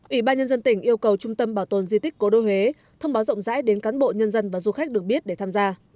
ủy ban nhân dân tỉnh yêu cầu trung tâm bảo tồn di tích cố đô huế thông báo rộng rãi đến cán bộ nhân dân và du khách được biết để tham gia